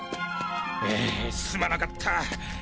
すまなかった。